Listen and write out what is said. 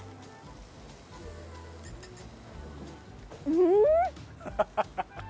うん！